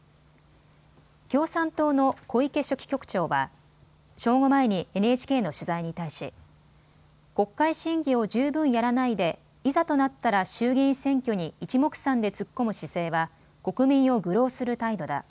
共産党の小池書記局長は正午前にＮＨＫの取材に対し国会審議を十分やらないでいざとなったら衆議院選挙にいちもくさんで突っ込む姿勢は国民を愚弄する態度だ。